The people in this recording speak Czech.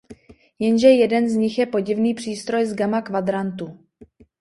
Jenže jeden z nich je podivný přístroj z Gamma kvadrantu.